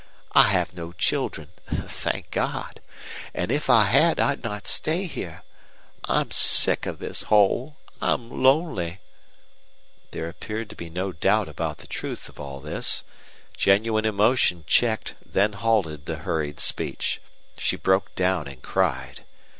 I have no children, thank God! If I had I'd not stay here. I'm sick of this hole. I'm lonely " There appeared to be no doubt about the truth of all this. Genuine emotion checked, then halted the hurried speech. She broke down and cried.